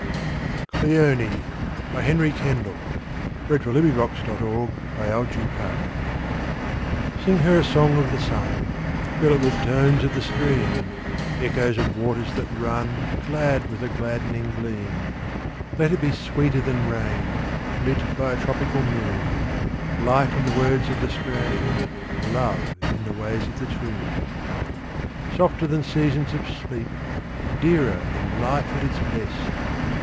Sing for slumber, sister Clara, Sitting by the fire. Cleone Sing her a song of the sun: Fill it with tones of the stream, Echoes of waters that run Glad with the gladdening gleam. Let it be sweeter than rain, Lit by a tropical moon: Light in the words of the strain, Love in the ways of the tune. Softer than seasons of sleep: Dearer than life at its best!